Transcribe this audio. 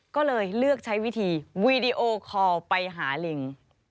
ก็เลยเลือกใช้วิธีวีดีโอคอลไปหาลิง